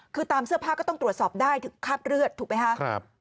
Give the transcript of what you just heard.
คือตามเสื้อผ้าก็ต้องตรวจสอบได้ถึงคราบเลือดถูกไหมคะ